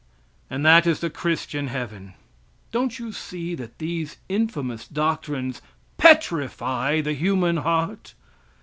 And that is the Christian heaven. Don't you see that these infamous doctrines petrify the human heart?